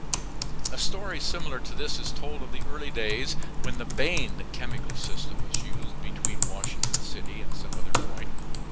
A story similar to this is told of the early days when the Bain chemical system was used between Washington City and some other point.